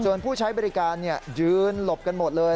ส่วนผู้ใช้บริการยืนหลบกันหมดเลย